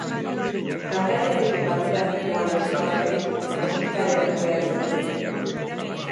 Kantariarekin batera zihoan neska bat ere ospitaleratu behar izan dute.